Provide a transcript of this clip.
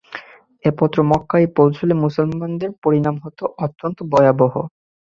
এ পত্র মক্কায় পৌঁছলে মুসলমানদের পরিণাম হত অত্যন্ত ভয়াবহ।